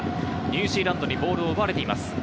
ニュージーランドにボールを奪われています。